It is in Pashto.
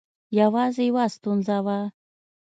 یوازې یوه ستونزه وه.